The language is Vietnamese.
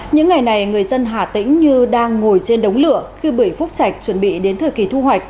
những ngày này người dân hà tĩnh như đang ngồi trên đống lửa khi bưởi phúc trạch chuẩn bị đến thời kỳ thu hoạch